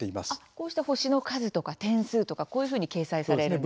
こうした星の数とか点数とか、こういうふうに掲載されるんですね。